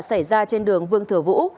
xảy ra trên đường vương thừa vũ